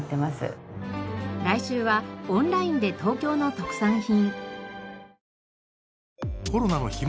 来週はオンラインで東京の特産品。